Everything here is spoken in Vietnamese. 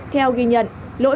theo ghi nhận